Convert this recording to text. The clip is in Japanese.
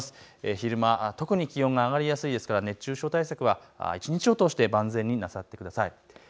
昼間、特に気温が上がりやすいですから熱中症対策は一日を通して万全になさってください。